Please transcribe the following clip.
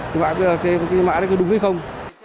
cái mã đấy có đúng hay không